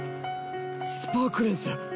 スパークレンス！？